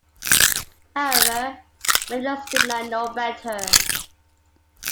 However, Menelaus did not know better.